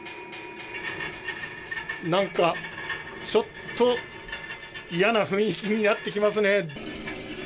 なんか、ちょっと嫌な雰囲気になってきますね。